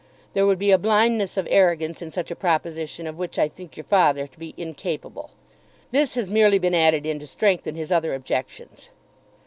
There would be a blindness of arrogance in such a proposition of which I think your father to be incapable. This has merely been added in to strengthen his other objections.